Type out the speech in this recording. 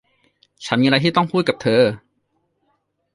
ฉันยังมีอะไรที่ต้องพูดกับเธอ